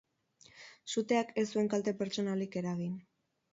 Suteak ez zuen kalte pertsonalik eragin.